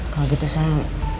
kalau gitu saya